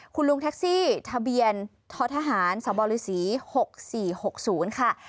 คุณลุงแท็กซี่ทะเบียนททหารสบฤษ๖๔๖๐ค่ะ